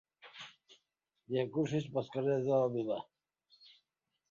Viacrucis pels carrers de la vila.